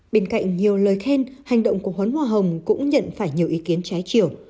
bên cạnh nhiều lời khen hành động của huấn hoa hồng cũng nhận phải nhiều ý kiến trái chiều